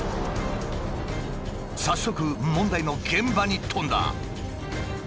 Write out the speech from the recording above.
早速問題の現場に飛んだ。